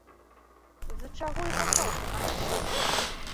З чаго і пачаўся канфлікт.